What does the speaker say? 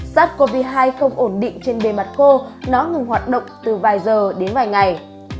sars cov hai không ổn định trên bề mặt khô nó ngừng hoạt động từ vài giờ đến vài ngày